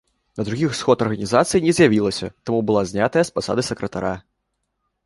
На другі сход арганізацыі не з'явілася, таму была знятая з пасады сакратара.